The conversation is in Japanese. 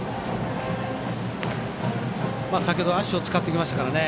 先程足を使ってきましたからね。